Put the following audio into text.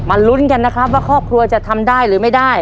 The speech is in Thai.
ลุ้นกันนะครับว่าครอบครัวจะทำได้หรือไม่ได้